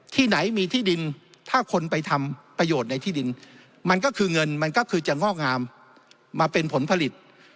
ที่ไหนมีที่ดินถ้าคนไปทำประโยชน์ในที่ดินมันก็คือเงินมันก็คือจะงอกงามมาเป็นผลผลิต